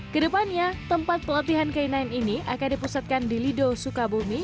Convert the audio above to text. kedepannya tempat pelatihan k sembilan ini akan dipusatkan di lido sukabumi